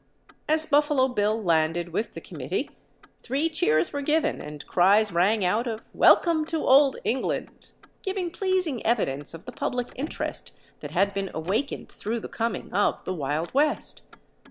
As Buffalo Bill landed with the committee three cheers were given, and cries rang out of "Welcome to old England," giving pleasing evidence of the public interest that had been awakened through the coming of the Wild West.